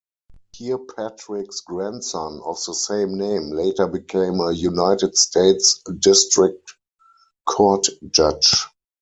Kirpatrick's grandson of the same name later became a United States District Court judge.